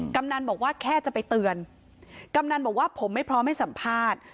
กำนันบอกว่าแค่จะไปเตือนกำนันบอกว่าผมไม่พร้อมให้สัมภาษณ์